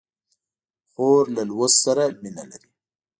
خور له لوست سره مینه لري.